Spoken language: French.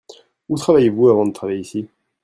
Où travailliez-vous avant de travailler ici ?